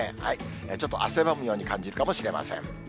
ちょっと汗ばむように感じるかもしれません。